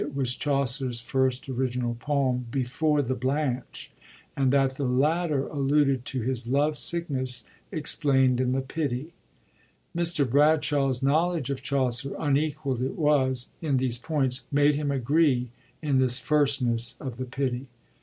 s Chaucer's first original poem, before the Blanche, and that the latter alluded to his love sickness explaind in the Pity,^ Mr. Bradshaw's knowledge of Chaucer —unequald it was, in these points — made him agree in this firstness of the Pity.